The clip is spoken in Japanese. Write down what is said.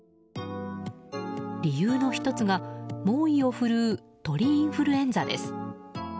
理由の１つが、猛威を振るう鳥インフルエンザです。